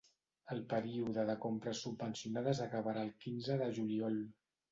El període de compres subvencionades acabarà al quinze de juliol.